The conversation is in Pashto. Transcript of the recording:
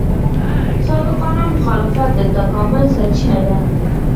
صادقانه مخالفت د تکامل سرچینه ده.